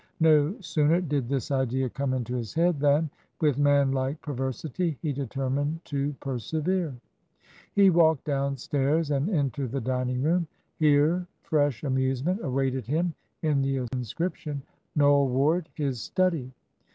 No sooner did this idea come into his head than, with manlike perversity, he determined to persevere. He walked downstairs and into the dining room. Here fresh amusement awaited him in the inscription, "Noel Ward, his Study."